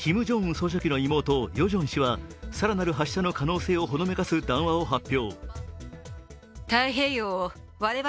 総書記の妹ヨジョン氏は更なる発射の可能性をほのめかす談話を発表。